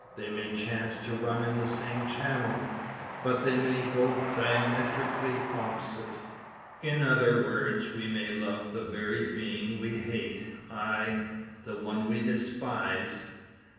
They may chance to run in the same channel; but they may go diametrically opposite. In other words, we may love the very being we hate ay, the one we despise!